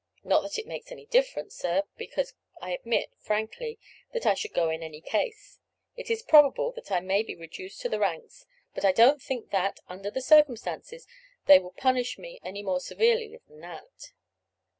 Not that it makes any difference, sir, because I admit frankly that I should go in any case. It is probable that I may be reduced to the ranks; but I don't think that, under the circumstances, they will punish me any more severely than that."